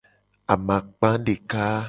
Amakpa deka.